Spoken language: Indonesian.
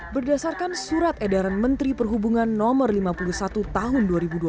berdasarkan surat edaran menteri perhubungan no lima puluh satu tahun dua ribu dua puluh